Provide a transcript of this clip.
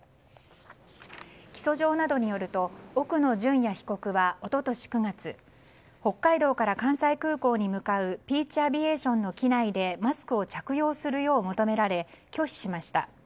起訴状などによると奥野淳也被告は一昨年９月北海道から関西空港に向かうピーチ・アビエーションの機内でマスクを着用するよう求められ拒否しました。